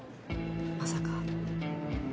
まさか。